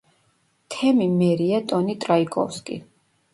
თემი მერია ტონი ტრაიკოვსკი.